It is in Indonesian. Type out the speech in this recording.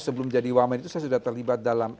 sebelum jadi wamen itu saya sudah terlibat dalam